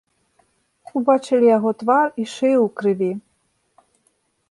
Убачылі яго твар і шыю ў крыві.